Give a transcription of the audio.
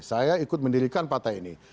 saya ikut mendirikan partai ini